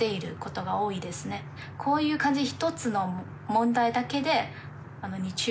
こういう感じで。